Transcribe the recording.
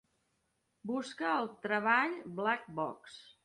Busca el treball Black Box.